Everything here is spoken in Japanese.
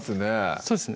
そうですね